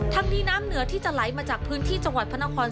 ทั้งนี้น้ำเหนือที่จะไหลมาจากพื้นที่จังหวัดพระนคร